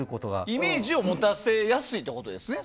イメージを持たせやすいってことですね。